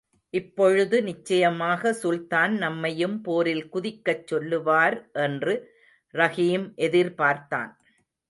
இப்பொழுது நிச்சயமாக சுல்தான் நம்மையும் போரில் குதிக்கச் சொல்லுவார் என்று ரஹீம் எதிர்பார்த்தான்.